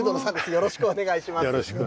よろしくお願いします。